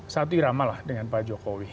satu irama lah dengan pak jokowi